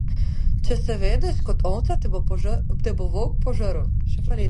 Če se vedeš kot ovca, te bo volk požrl.